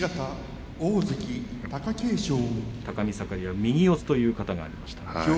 高見盛は右四つという型がありました。